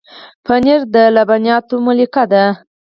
پنېر د لبنیاتو ملکه ده.